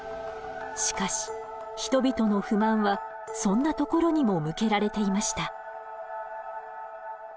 しかし人々の不満はそんなところにも向けられていました。